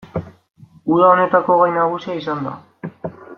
Uda honetako gai nagusia izan da.